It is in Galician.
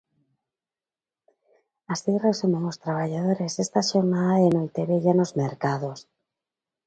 Así resumen os traballadores esta xornada de noitevella nos mercados.